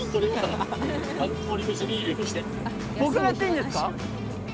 僕がやっていいんですか？